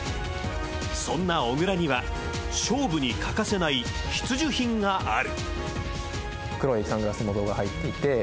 そんな小椋には勝負に欠かせない必需品がある。